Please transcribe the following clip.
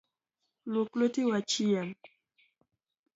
Luok lueti wachiem.